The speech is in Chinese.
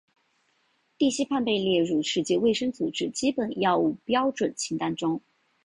地西泮被列入世界卫生组织基本药物标准清单中。